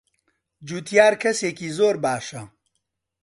جوتیار کەسێکی زۆر باشە.